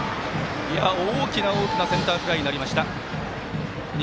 大きな大きなセンターフライになりました。